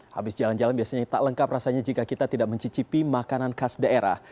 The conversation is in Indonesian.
habis jalan jalan biasanya tak lengkap rasanya jika kita tidak mencicipi makanan khas daerah